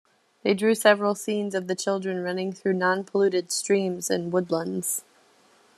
They drew several scenes of the children running through non-polluted streams and woodlands.